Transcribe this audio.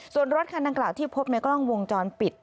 ส่วนรถคันดังกล่าวที่พบในกล้องวงจรปิด